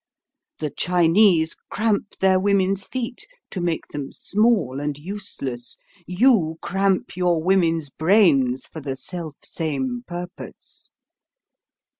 The Chinese cramp their women's feet to make them small and useless: you cramp your women's brains for the self same purpose.